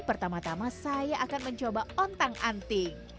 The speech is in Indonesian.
pertama tama saya akan mencoba ontang anting